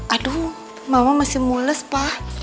aduh mama masih mules pak